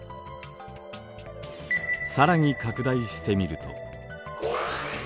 更に拡大してみると。